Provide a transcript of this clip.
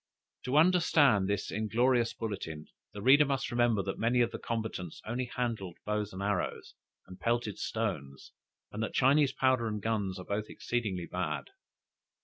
To understand this inglorious bulletin, the reader must remember that many of the combatants only handled bows and arrows, and pelted stones, and that Chinese powder and guns are both exceedingly bad.